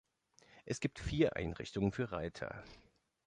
Es gibt vier Einrichtungen für Reiter.